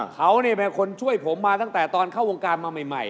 เขาเป็นคนช่วยผมมาตั้งแต่เมื่อเข้าวงการน้อยใน